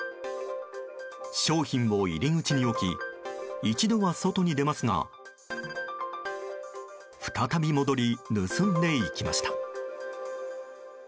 商品を入り口に置き一度は外に出ますが再び戻り、盗んでいきました。